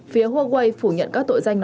phía huawei phủ nhận các tội danh nói trên